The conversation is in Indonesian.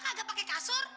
kagak pakai kasur